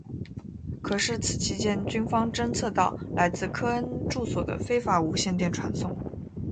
可是此期间军方侦测到来自科恩住所的非法无线电传送。